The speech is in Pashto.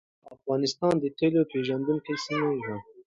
افغانستان د تېلو پېرودونکو سیمه وه.